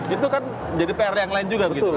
itu kan jadi pr yang lain juga begitu kan pak irlangga